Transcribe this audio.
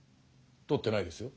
取ってないですよ。